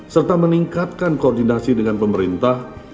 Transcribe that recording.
serta meningkatkan koordinasi dengan pemerintah